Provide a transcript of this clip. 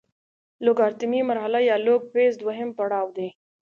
لوګارتمي مرحله یا لوګ فیز دویم پړاو دی.